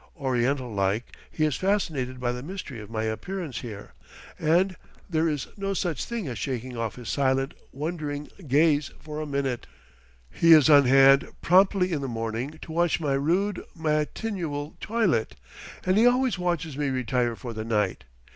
Oriental like, he is fascinated by the mystery of my appearance here, and there is no such thing as shaking off his silent, wondering gaze for a minute. He is on hand promptly in the morning to watch my rude matinual toilet, and he always watches me retire for the night.